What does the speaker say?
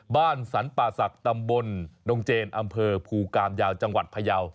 บ้านสรรป่าศักดิ์ตำบลดงเจนอำเภอภูกามยาวจังหวัดพยาว